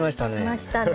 いましたね。